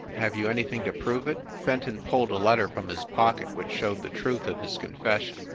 Have you anything to prove it?" Fenton pulled a letter from his pocket which showed the truth of his confession.